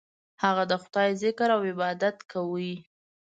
هغه د خدای ذکر او عبادت کاوه.